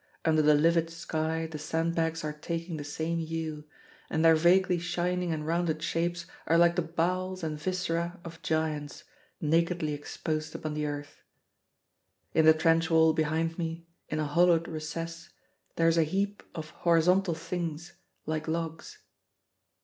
Under the livid sky the sandbags are taking the same hue, and their vaguely shining and rounded shapes are like the bowels and viscera of giants, nakedly exposed upon the earth. In the trench wall behind me, in a hollowed recess, there is a heap of horizontal things like logs.